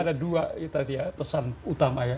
saya kira ada dua ya pesan utama ya